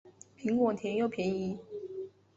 苹果甜又便宜